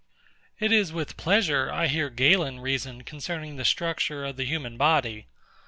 It is with pleasure I hear GALEN reason concerning the structure of the human body.